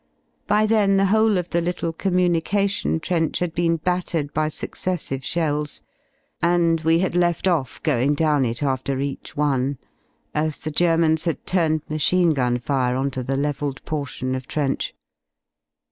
By then the whole of the little communication trench had been battered by successive shells, and we had left off going down it after each one, as the Germans had turned machine gun fire on to the levelled portion of trench.